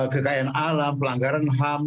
kekayaan alam pelanggaran ham